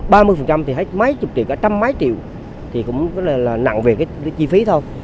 ba mươi phần trăm thì mấy chục triệu cả trăm mấy triệu thì cũng rất là nặng về cái chi phí thôi